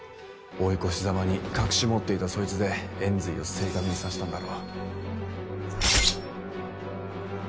追い越しざまに隠し持っていたそいつで延髄を正確に刺したんだろ。